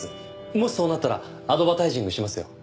もしそうなったらアドバタイジングしますよ。